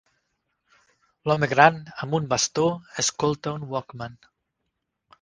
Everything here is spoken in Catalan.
L'home gran amb un bastó escolta un walkman.